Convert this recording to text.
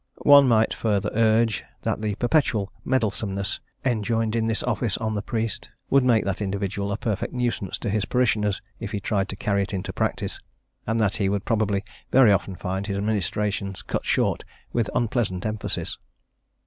One might further urge, that the perpetual meddlesomeness enjoined in this Office on the priest would make that individual a perfect nuisance to his parishioners if he tried to carry it into practice, and that he would probably very often find his ministrations cut short with unpleasant emphasis.